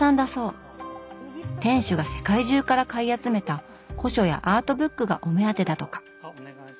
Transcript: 店主が世界中から買い集めた古書やアートブックがお目当てだとか。